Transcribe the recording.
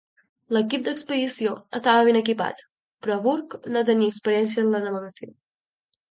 L'equip d'expedició estava ben equipat, però Burke no tenia experiència en la navegació.